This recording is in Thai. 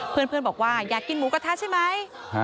เพื่อนบอกว่าอยากกินหมูกระทะใช่ไหม